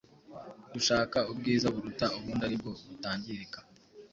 dushaka ubwiza buruta ubundi ari bwo butangirika.